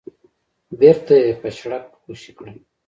بېرته يې په شړک خوشې کړه.